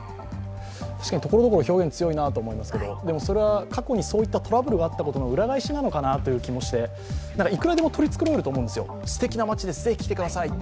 確かにところどころ表現が強いなと思いますけれども、それは過去にそういったトラブルがあったことの裏返しなのかなと思って、いくらでも取り繕えるんですよ、すてきな町です、来てくださいって。